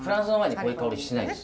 こういう香りしないんです。